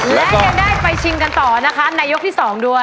และยังได้ไปชิงกันต่อนะคะในยกที่๒ด้วย